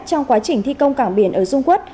trong quá trình thi công cảng biển ở dung quốc